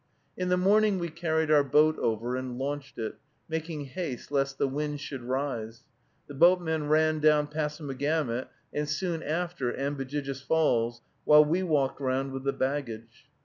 In the morning we carried our boat over and launched it, making haste lest the wind should rise. The boatmen ran down Passamagamet, and soon after Ambejijis Falls, while we walked round with the baggage.